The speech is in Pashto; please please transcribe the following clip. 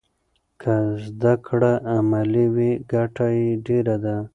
که زده کړه عملي وي ګټه یې ډېره ده.